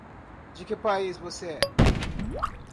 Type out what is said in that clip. De que país você é?